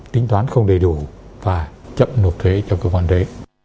tính toán không đầy đủ và chậm nộp thuế cho cơ quan thuế